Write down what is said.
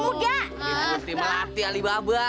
itu putih melati alibaba